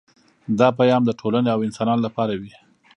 دا پیام د ټولنې او انسانانو لپاره وي